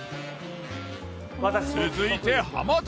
続いて浜谷。